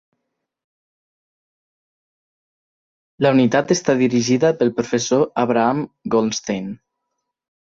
La unitat està dirigida pel Professor Abraham Goldstein.